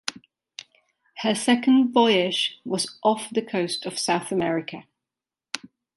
Her second voyage was off the coast of South America.